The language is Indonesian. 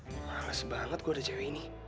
males banget gue ada cewek ini